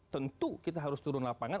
tentu kita harus turun lapangan